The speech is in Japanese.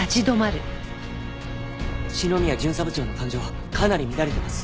篠宮巡査部長の感情かなり乱れてます。